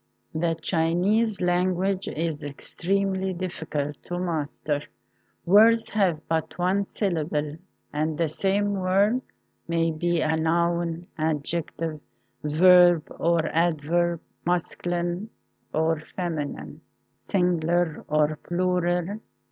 The Chinese language is extremely difficult to master. Words have but one syllable, and the same word may be a noun, adjective, verb or adverb, masculine or feminine, sing ular or plural.